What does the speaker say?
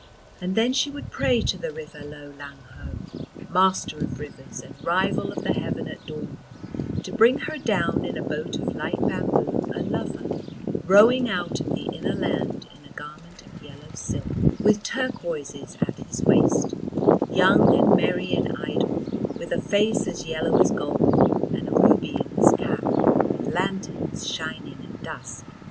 And then she would pray to the river Lo Lang Ho, master of rivers and rival of the heaven at dawn, to bring her down in a boat of light bamboo a lover rowing out of the inner land in a garment of yellow silk with turquoises at his waist, young and merry and idle, with a face as yellow as gold and a ruby in his cap with lanterns shining at dusk.